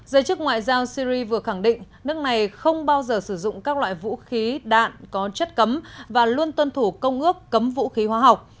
giới chức ngoại giao syri vừa khẳng định nước này không bao giờ sử dụng các loại vũ khí đạn có chất cấm và luôn tuân thủ công ước cấm vũ khí hóa học